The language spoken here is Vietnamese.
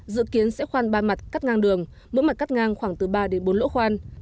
dự kiến sẽ khoan ba mặt cắt ngang đường mỗi mặt cắt ngang khoảng từ ba đến bốn lỗ khoan